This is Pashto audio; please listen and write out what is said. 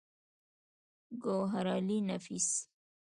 ګوهرعلي نفيس